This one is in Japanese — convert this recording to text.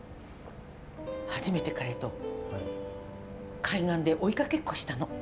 初めて彼と海岸で追いかけっこしたの。